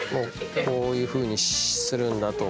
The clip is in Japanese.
こういうふうにするんだと。